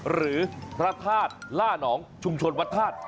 หรือพระธาตุล่านองชุมชนวัดธาตุ